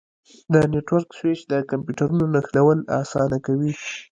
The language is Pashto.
د نیټورک سویچ د کمپیوټرونو نښلول اسانه کوي.